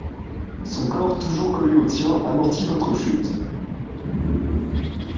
Son corps toujours collé au tien amortit votre chute.